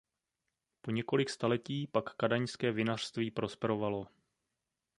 Po několik staletí pak kadaňské vinařství prosperovalo.